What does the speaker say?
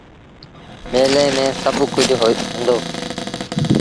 ميلي مييٚن سڀ ڪجھ هُݩدو۔